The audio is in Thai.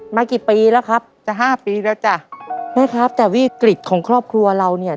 มากี่ปีแล้วครับจะห้าปีแล้วจ้ะแม่ครับแต่วิกฤตของครอบครัวเราเนี่ย